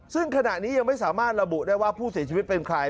ซึ่งขณะนี้ยังไม่สามารถระบุได้ว่าผู้เสียชีวิตเป็นใคร